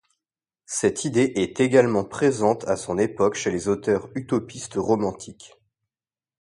Cette idée est également présente à son époque chez les auteurs utopistes romantiques.